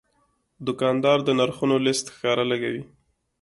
دوکاندار د نرخونو لیست ښکاره لګوي.